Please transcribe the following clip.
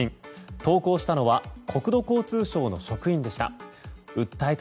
投稿したのは国土交通省の職員でした。